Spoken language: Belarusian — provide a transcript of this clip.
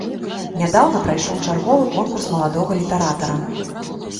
Нядаўна прайшоў чарговы конкурс маладога літаратара.